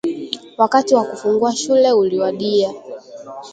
Wakati wa kufungua shule uliwadia